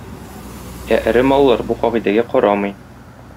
Ә эре маллар бу кагыйдәгә карамый.